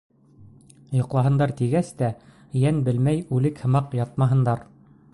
Йоҡлаһындар тигәс тә, йән белмәй үлек һымаҡ ятмаһындар!